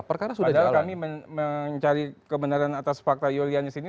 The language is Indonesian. padahal kami mencari kebenaran atas fakta yulianus ini